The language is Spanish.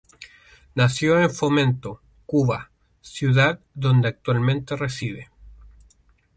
Nació en Fomento, Cuba, ciudad donde actualmente reside.